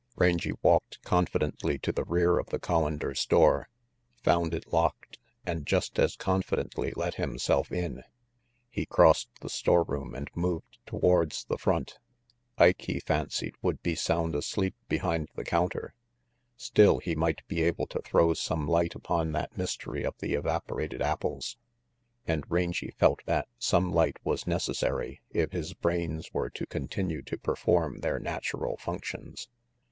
Rangy walked confidently to the rear of the Collander store, found it locked, and just as confidently let himself in. He crossed the store room and moved towards the front. Ike, he fancied, would be sound asleep behind the counter; still, he might be able to throw some light upon that mystery of the evaporated apples. And Rangy felt that some light was necessary, if his brains were to continue to perform their natural functions.